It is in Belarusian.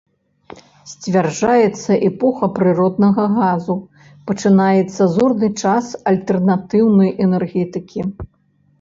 Сцвярджаецца эпоха прыроднага газу, пачынаецца зорны час альтэрнатыўнай энергетыкі.